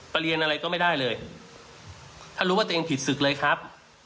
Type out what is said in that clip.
เรียนอะไรก็ไม่ได้เลยถ้ารู้ว่าตัวเองผิดศึกเลยครับ